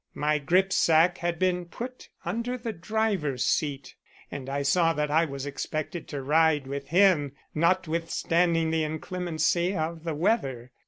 My grip sack had been put under the driver's seat, and I saw that I was expected to ride with him, notwithstanding the inclemency of the weather.